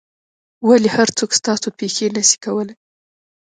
ولي هر څوک ستاسو پېښې نه سي کولای؟